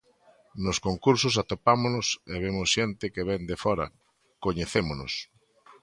Nos concursos atopámonos e vemos xente que vén de fóra, coñecémonos.